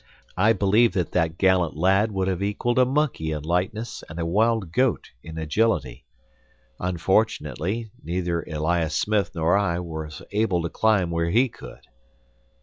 I believe that that gallant lad would have equaled a monkey in lightness and a wild goat in agility. Unfortunately, neither Elias Smith nor I was able to climb where he could.